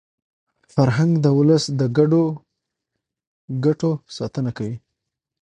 فرهنګ د ولس د ګډو ګټو ساتنه کوي.